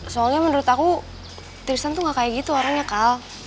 soalnya menurut aku tristan tuh gak kayak gitu orangnya kal